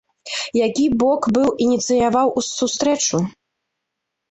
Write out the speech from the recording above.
Які бок быў ініцыяваў сустрэчу?